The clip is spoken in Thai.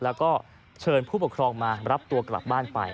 แล้วก็เชิญผู้ปกครองมารับตัวกลับบ้านไป